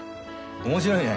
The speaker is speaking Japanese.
面白いね。